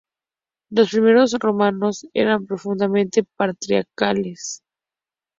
Los primeros romanos era profundamente patriarcales.